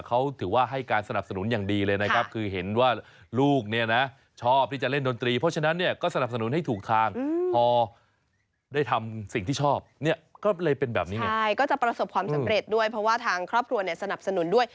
ก็จะประสบความสำเร็จด้วยเพราะว่าทางครอบครัวสนับสนุนด้วย